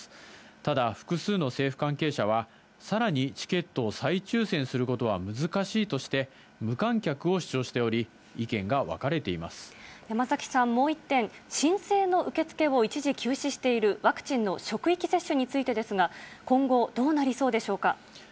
ただ、複数の政府関係者は、さらにチケットを再抽せんすることは難しいとして、無観客を主張山崎さん、もう一点、申請の受け付けを一時休止しているワクチンの職域接種についてですが、今後、どうなりそうでしょうか。